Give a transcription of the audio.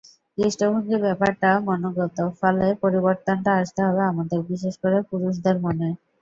দৃষ্টিভঙ্গি ব্যাপারটা মনোগত, ফলে পরিবর্তনটা আসতে হবে আমাদের, বিশেষ করে পুরুষদের মনে।